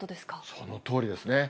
そのとおりですね。